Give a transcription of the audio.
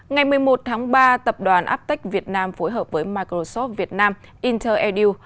ngày một mươi một tháng ba tập đoàn aptech việt nam phối hợp với microsoft việt nam interedu